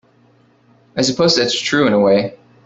I suppose that's true in a way.